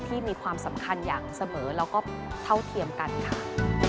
มีความสำคัญอย่างเสมอแล้วก็เท่าเทียมกันค่ะ